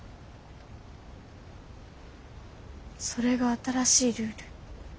それが新しいルール。